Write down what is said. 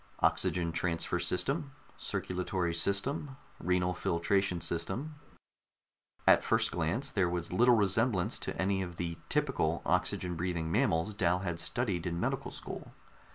Oxygen transfer system, circulatory system, renal filtration system at first glance, there was little resemblance to any of the "typical" oxygen breathing mammals Dal had studied in medical school.